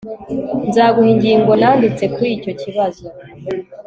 Nzaguha ingingo nanditse kuri icyo kibazo